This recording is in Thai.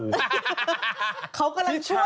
ครับเขากำลังช่วยอยู่